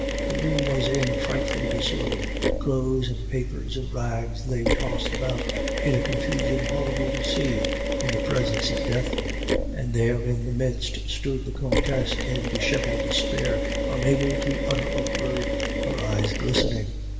The room was in frightful disorder; clothes and papers and rags lay tossed about in a confusion horrible to see in the presence of Death; and there, in the midst, stood the Countess in disheveled despair, unable to utter a word, her eyes glittering.